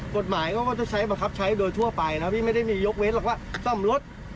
กฎหมายเขาก็จะใช้บังคับใช้โดยทั่วไปนะพี่ไม่ได้มียกเว้นหรอกว่าซ่อมรถ